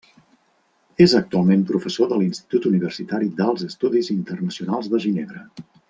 És actualment professor de l'Institut Universitari d'Alts Estudis Internacionals de Ginebra.